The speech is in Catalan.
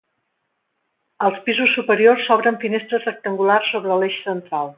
Als pisos superiors s'obren finestres rectangulars sobre l'eix central.